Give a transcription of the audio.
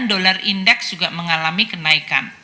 dolar indeks juga mengalami kenaikan